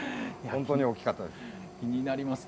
本当に大きかったです。